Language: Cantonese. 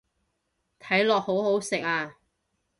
睇落好好食啊